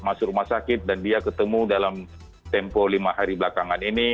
masuk rumah sakit dan dia ketemu dalam tempo lima hari belakangan ini